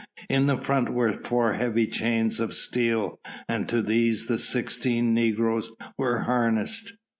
In the front were four heavy chains of steel, and to these the sixteen negroes were harnessed.